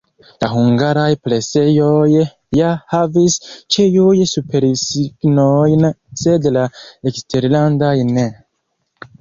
La hungaraj presejoj ja havis ĉiujn supersignojn, sed la eksterlandaj ne.